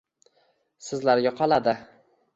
Sizlarga qoladi